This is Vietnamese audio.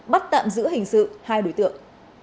bắt tạm giữ hình sự hai đối tượng